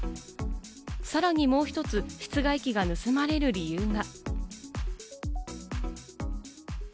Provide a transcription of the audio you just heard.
さらにもう１つ、室外機が盗まれる理由が。